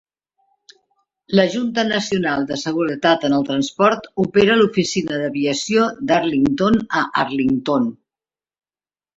La Junta Nacional de Seguretat en el Transport opera l'oficina d'aviació d'Arlington a Arlington.